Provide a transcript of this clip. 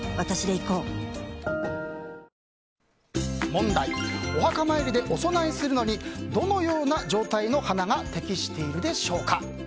問題お墓参りでお供えするのにどのような状態の花が適しているでしょうか。